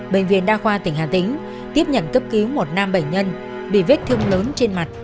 bệnh viện đa khoa tỉnh hà tĩnh tiếp nhận cấp cứu một nam bệnh nhân bị vết thương lớn trên mặt